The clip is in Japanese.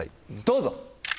どうぞ！